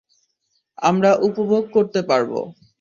আমরা উপভোগ করতে পারব।